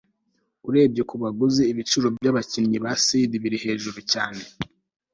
urebye kubaguzi, ibiciro byabakinnyi ba cd biri hejuru cyane